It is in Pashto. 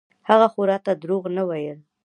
هغه خو راته دروغ نه ويل.